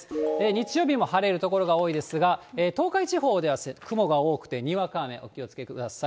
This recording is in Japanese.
日曜日も晴れる所が多いですが、東海地方では雲が多くて、にわか雨、お気をつけください。